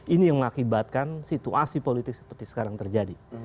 ini yang mengakibatkan situasi politik seperti sekarang terjadi